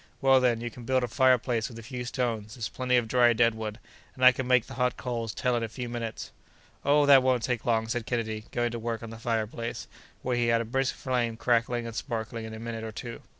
Well, then, you can build a fireplace with a few stones; there's plenty of dry dead wood, and I can make the hot coals tell in a few minutes." "Oh! that won't take long," said Kennedy, going to work on the fireplace, where he had a brisk flame crackling and sparkling in a minute or two.